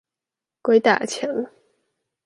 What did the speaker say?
鬼打牆